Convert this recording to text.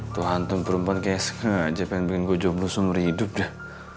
tuh hantum perempuan kayak sengaja pengen bikin gue jomblo seumur hidup deh